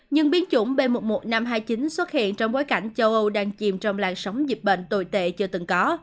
nhưng biến chủng b một mươi một nghìn năm trăm hai mươi chín xuất hiện trong bối cảnh châu âu đang chìm trong làn sóng dịch bệnh tồi tệ chưa từng có